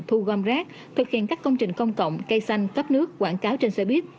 thu gom rác thực hiện các công trình công cộng cây xanh cấp nước quảng cáo trên xe buýt